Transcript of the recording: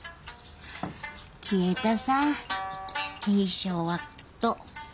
消えたさぁ恵尚はきっと。